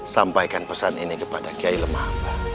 sampaikan pesan ini kepada kiai lemah